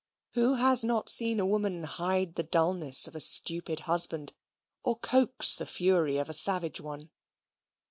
Who has not seen a woman hide the dulness of a stupid husband, or coax the fury of a savage one?